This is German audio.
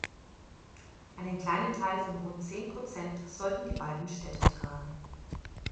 Einen kleinen Teil von rund zehn Prozent sollten die beiden Städte tragen.